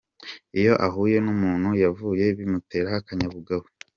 Iyo ahuye n’umuntu yavuye bimutera akanyabugabo.